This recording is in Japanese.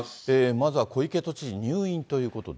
まずは小池都知事、入院ということで。